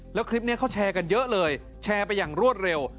แล้วคลิปนี้เขาแชร์กันเยอะเลยแชร์ไปอย่างรวดเร็ว